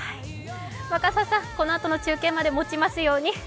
若狭さん、このあとの中継までもちますように。